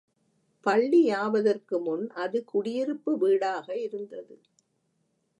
பள்ளியாவதற்கு முன் அது குடியிருப்பு வீடாக இருந்தது.